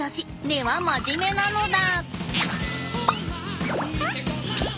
根は真面目なのだ。